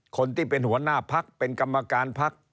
คนที่เป็นหัวหน้าพักเป็นกรรมการพัก